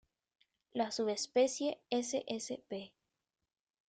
La subespecie ssp.